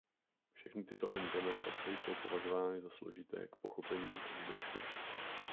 Všechny tyto implementace jsou považovány za složité k pochopení a údržbě.